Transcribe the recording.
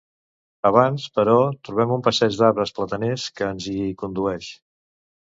Abans, però, trobem un passeig d'arbres plataners que ens hi condueix.